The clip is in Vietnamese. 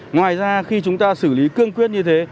ngoài ra khi chúng ta xử lý cương quyết như thế